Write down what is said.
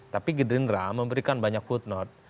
tapi gerindra memberikan banyak footnote